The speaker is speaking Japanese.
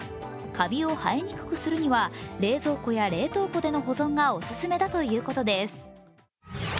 カビを生えにくくするには冷蔵庫や冷凍庫での保存がお勧めだということです。